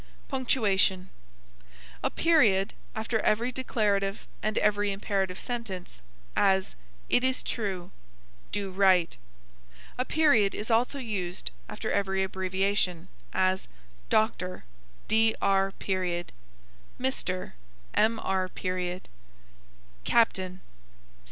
PUNCTUATION. A period (.) after every declarative and every imperative sentence; as, It is true. Do right. A period is also used after every abbreviation; as, Dr., Mr.